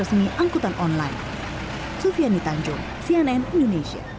sampai jumpa di video selanjutnya